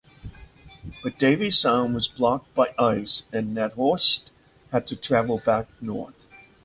But Davy sound was blocked by ice and Nathorst had to travel back north.